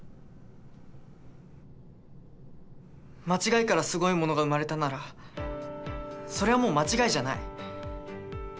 間違いからすごいものが生まれたならそれはもう間違いじゃない。